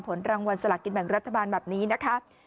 ผลรางวัลสละกินแบ่งรัฐบาลแบบนี้นะคะ